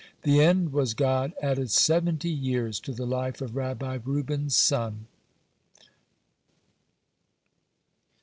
The end was God added seventy years to the life of Rabbi Reuben's son.